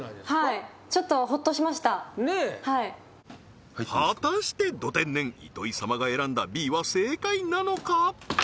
はい果たしてド天然糸井様が選んだＢは正解なのか？